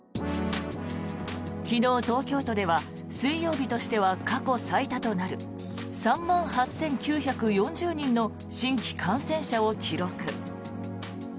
昨日、東京都では水曜日としては過去最多となる３万８９４０人の新規感染者を記録。